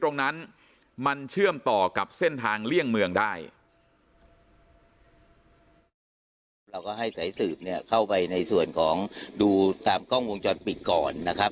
ตรงนั้นมันเชื่อมต่อกับเส้นทางเล่วงจรปิดก่อนนะครับ